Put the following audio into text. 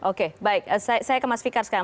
oke baik saya ke mas fikar sekarang